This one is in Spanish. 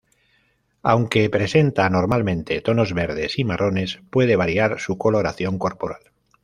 Aunque presenta normalmente tonos verdes y marrones, puede variar su coloración corporal.